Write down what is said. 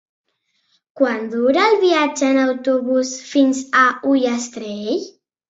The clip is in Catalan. Quant dura el viatge en autobús fins a Ullastrell?